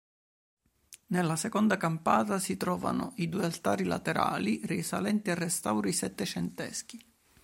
Nella seconda campata, si trovano i due altari laterali, risalenti ai restauri settecenteschi.